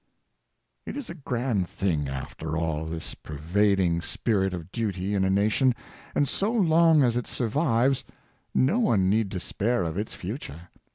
It is a grand thing, after all, this pervading spirit of Duty in a nation; and so long as it survives, no one need despair of its future.